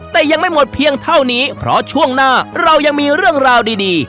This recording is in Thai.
แต่ยังไม่หมดเพียงเท่านี้เพราะช่วงหน้าเรายังมีเรื่องราวดี